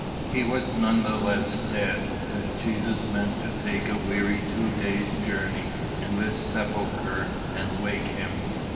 He was none the less dead that Jesus meant to take a weary two days' journey to his sepulchre and wake him.